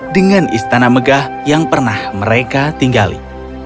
dengan istana megah yang pernah mereka tinggali